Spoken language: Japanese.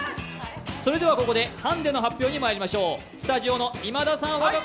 それではここでハンデの発表にまいりましょう。